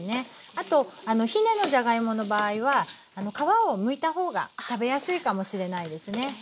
あとひねのじゃがいもの場合は皮をむいた方が食べやすいかもしれないですね。